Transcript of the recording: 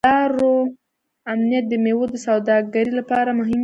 د لارو امنیت د میوو د سوداګرۍ لپاره مهم دی.